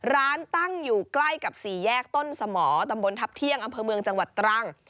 ร้านตั้งอยู่ใกล้กับสี่แยกต้นสมตำบลทัพเที่ยงอำเภอเมืองจังหวัดตรัง